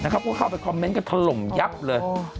ก็เข้าไปคอมเมนต์กันถล่มยับเลย